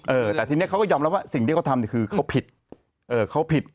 เออแต่ทีนี้เขาก็ยอมรับว่าสิ่งที่เขาทำเนี่ยคือเขาผิดเออเขาผิด